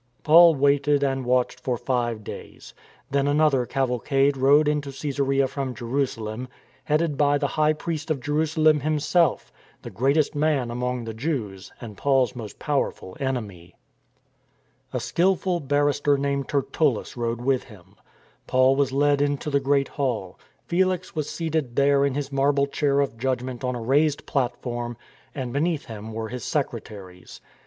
Paul waited and watched for five days. Then an other cavalcade rode into Csesarea from Jerusalem, headed by the high priest of Jerusalem himself, the greatest man among the Jews and Paul's most power ful enemy. A skilful barrister named Tertullus rode « I APPEAL TO C^SAR !" 305 with him. Paul was led into the great hall. Felix was seated there in his marble chair of judgment on a raised platform, and beneath him were his secretaries.